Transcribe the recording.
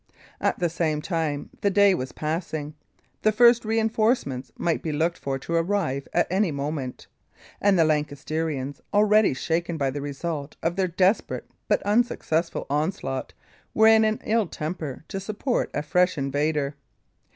At the same time, the day was passing. The first reinforcements might be looked for to arrive at any moment; and the Lancastrians, already shaken by the result of their desperate but unsuccessful onslaught, were in an ill temper to support a fresh invader.